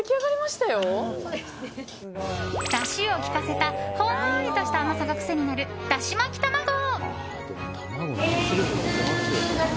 だしを効かせたほんのりとした甘さが癖になるだし巻き玉子。